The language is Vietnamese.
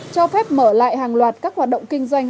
cho phép mở lại hàng loạt các hoạt động kinh doanh